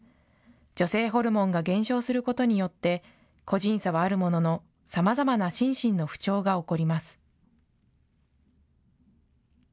女性ホルモンが減少することによって、個人差はあるものの、さまざまな心身の不調が起こります。